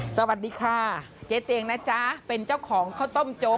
สวัสดีค่ะเจ๊เตียงนะจ๊ะเป็นเจ้าของข้าวต้มร้านนี้นะครับ